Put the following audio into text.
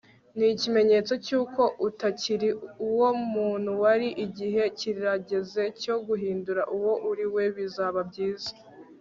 nikimenyetso cyuko utakiri uwo muntu wari, igihe kirageze cyo guhindura uwo uriwe. bizaba byiza